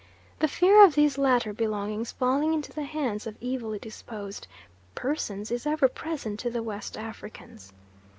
The fear of these latter belongings falling into the hands of evilly disposed persons is ever present to the West Africans.